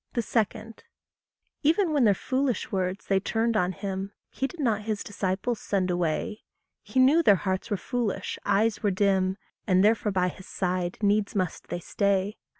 2. Even when their foolish words they turned on him, He did not his disciples send away; He knew their hearts were foolish, eyes were dim, And therefore by his side needs must they stay.